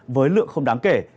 với lượng không đáng kể